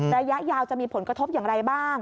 ระยะยาวจะมีผลกระทบอย่างไรบ้าง